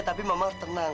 tapi mama harus tenang